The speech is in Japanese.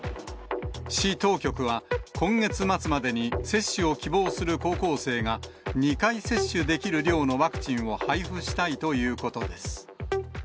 市当局は、今月末までに接種を希望する高校生が２回接種できる量のワクチンを配布したいということです。